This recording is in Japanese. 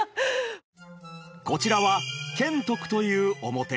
こちらは賢徳という面。